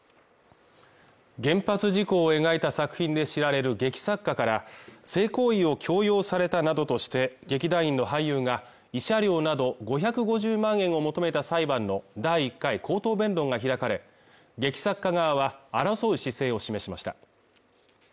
原発事故を描いた作品で知られる劇作家から性行為を強要されたなどとして劇団員の俳優が慰謝料など５５０万円を求めた裁判の第１回口頭弁論が開かれ劇作家側は争う姿勢を示しました